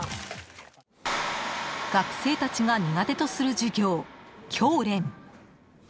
［学生たちが苦手とする授業教練］